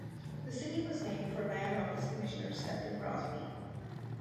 The city was named for land office commissioner Stephen Crosby.